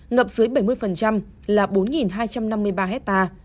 ngập dưới bảy mươi là bốn hai trăm năm mươi ba hectare